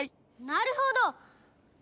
なるほど！